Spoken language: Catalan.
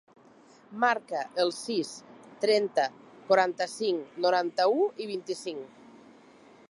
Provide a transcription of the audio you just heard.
Marca el sis, trenta, quaranta-cinc, noranta-u, vint-i-cinc.